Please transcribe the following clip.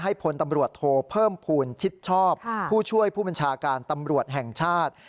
พลตำรวจโทเพิ่มภูมิชิดชอบผู้ช่วยผู้บัญชาการตำรวจแห่งชาติ